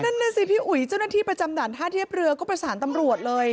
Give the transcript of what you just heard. นั่นน่ะสิพี่อุ๋ยเจ้าหน้าที่ประจำด่านท่าเทียบเรือก็ประสานตำรวจเลย